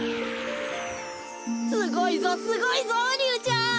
すごいぞすごいぞリュウちゃん！